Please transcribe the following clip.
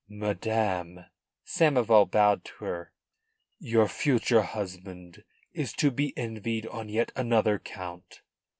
"Madam," Samoval bowed to her, "your future husband is to be envied on yet another count."